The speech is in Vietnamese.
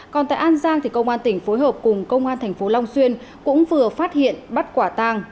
còn tại an giang công an tỉnh phối hợp cùng công an thành phố long xuyên cũng vừa phát hiện bắt quả tàng